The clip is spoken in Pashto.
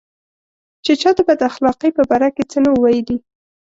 چې چا د بد اخلاقۍ په باره کې څه نه وو ویلي.